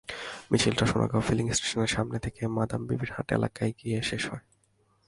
মিছিলটি সোনাগাঁ ফিলিং স্টেশনের সামনে থেকে মাদামবিবিরহাট এলাকায় গিয়ে শেষ হয়।